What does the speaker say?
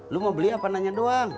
lo mau beli apa nanya doang